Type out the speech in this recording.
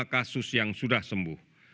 dua puluh lima kasus yang sudah sembuh